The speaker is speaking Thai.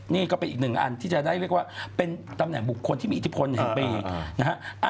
นี่ก็เป็นอีกหนึ่งอันที่จะได้เรียกว่าเป็นตำแหน่งบุคคลที่มีอิทธิพลแห่งปีนะฮะ